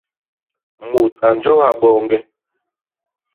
Mut a ñjôha boñge.